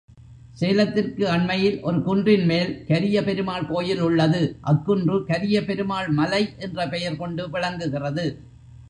சேலத்திற்கு அண்மையில் ஒரு குன்றின்மேல் கரியபெருமாள் கோயில் உள்ளது, அக்குன்று கரியபெருமாள் மலை என்ற பெயர் கொண்டு விளங்குகிறது.